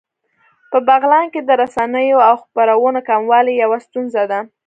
په بغلان کې د رسنیو او خپرونو کموالی يوه ستونزه ده